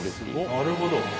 なるほど。